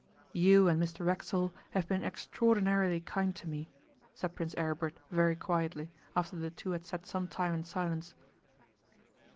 'You and Mr Racksole have been extraordinarily kind to me,' said Prince Aribert very quietly, after the two had sat some time in silence.